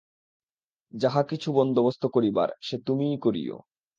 যাহা-কিছু বন্দোবস্ত করিবার, সে তুমিই করিয়ো।